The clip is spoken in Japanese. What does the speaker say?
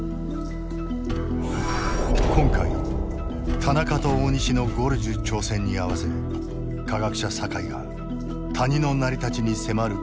今回田中と大西のゴルジュ挑戦に合わせ科学者酒井が谷の成り立ちに迫ることとなった。